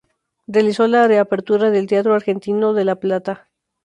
Realizó la reapertura del Teatro Argentino de La Plata.